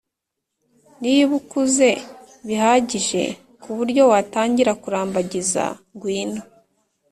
Niba ukuze bihagije ku buryo watangira kurambagiza ngwino